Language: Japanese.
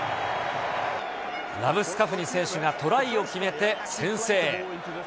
ラブスカフニ選手がトライを決めて先制。